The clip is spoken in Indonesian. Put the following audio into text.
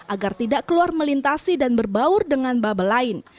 agar tidak keluar melintasi dan berbaur dengan bubble lain